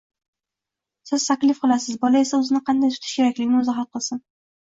Siz taklif qilasiz, bola esa o‘zini qanday tutish kerakligini o‘zi hal qilsin.